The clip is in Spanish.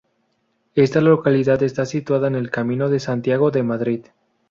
Esta localidad está situada en el Camino de Santiago de Madrid.